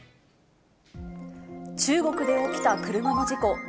中国で起きた車の事故。